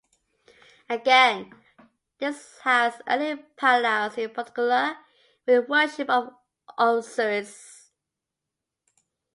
Again, this has earlier parallels, in particular with the worship of Osiris.